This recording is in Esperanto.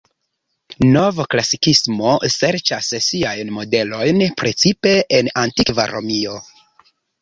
Novklasikismo serĉas siajn modelojn precipe en antikva Romio.